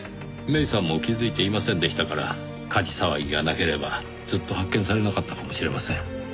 芽依さんも気づいていませんでしたから火事騒ぎがなければずっと発見されなかったかもしれません。